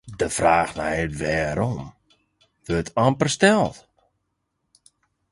De fraach nei it wêrom wurdt amper steld.